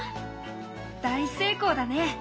大成功だね！